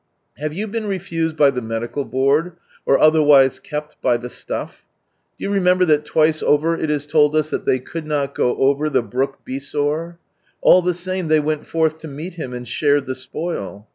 Have you been refused by the medical board, or other ; kept "by the stuff"? Do you remember that twice over it is told us that they could not go over the Brook Besor? All the same, they went forth to meet Him, and shared the spoil.